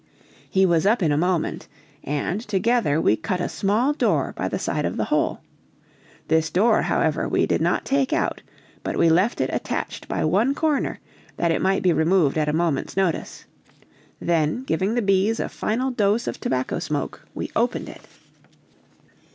He was up in a moment, and, together, we cut a small door by the side of the hole; this door, however, we did not take out, but we left it attached by one corner that it might be removed at a moment's notice; then giving the bees a final dose of tobacco smoke, we opened it.